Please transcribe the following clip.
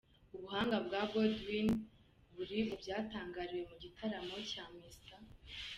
Ubuhanga bwa Godwyn buri mu byatangariwe mu gitaramo cya Mr.